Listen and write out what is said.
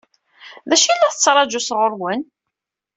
D acu i la tettṛaǧu sɣur-wen?